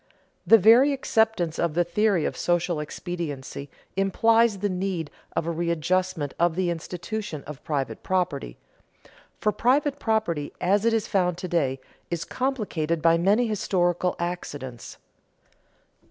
The very acceptance of the theory of social expediency implies the need of a readjustment of the institution of private property; for private property, as it is found to day, is complicated by many historical accidents.